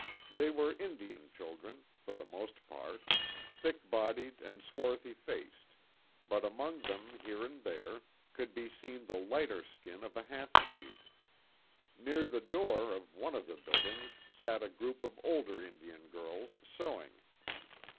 They were Indian children, for the most part, thick bodied and swarthy faced but among them here and there, could be seen the lighter skin of a half breed. Near the door of one of the buildings sat a group of older Indian girls sewing.